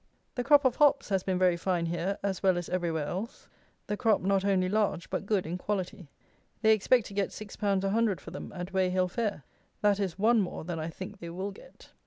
The crop of hops has been very fine here, as well as everywhere else. The crop not only large, but good in quality. They expect to get six pounds a hundred for them at Weyhill fair. That is one more than I think they will get.